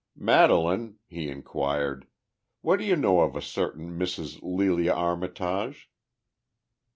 "Madelaine," he inquired, "what do you know of a certain Mrs. Lelia Armitage?"